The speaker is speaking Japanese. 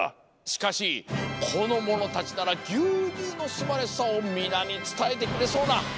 しかしこのものたちならぎゅうにゅうのすばらしさをみなにつたえてくれそうだ。